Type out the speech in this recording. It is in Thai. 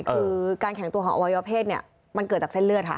คือการแข็งตัวของอวัยวะเพศเนี่ยมันเกิดจากเส้นเลือดค่ะ